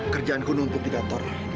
kerjaanku nuntut di kantor